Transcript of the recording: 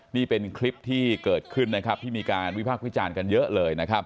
นี่เป็นคลิปที่เกิดขึ้นที่มีการวิภาควิจารณ์กันเยอะเลย